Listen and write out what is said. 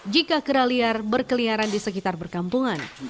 jika kera liar berkeliaran di sekitar perkampungan